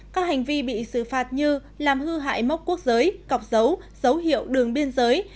các hành vi bị xử phạt như làm hư hại mốc quốc giới cọc dấu dấu hiệu đường biên giới